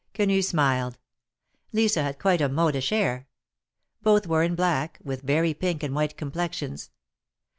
Quenu smiled; Lisa had quite a modish air; both were in black, with very pink and white complexions.